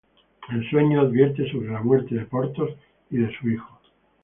En sueños, advierte sobre la muerte de Porthos y de su hijo.